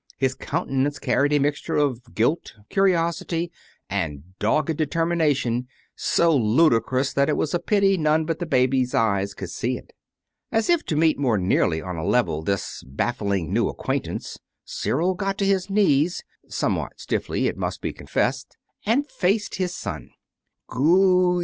His countenance carried a mixture of guilt, curiosity, and dogged determination so ludicrous that it was a pity none but baby eyes could see it. As if to meet more nearly on a level this baffling new acquaintance, Cyril got to his knees somewhat stiffly, it must be confessed and faced his son.